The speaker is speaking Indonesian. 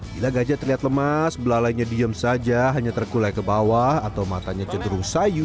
bila gajah terlihat lemas belalainya diem saja hanya terkulai ke bawah atau matanya cenderung sayu